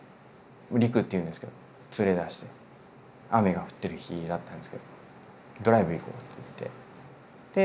稜空っていうんですけど連れ出して雨が降ってる日だったんですけど「ドライブ行こう」って言って。